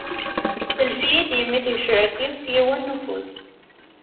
Tellef-iyi-d yemma i tgecrirt-w s yiwen n ufus.